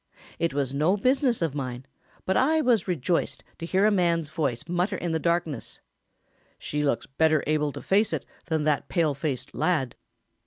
It was no business of mine, but I was rejoiced to hear a man's voice mutter in the darkness, "She looks better able to face it than that pale faced lad."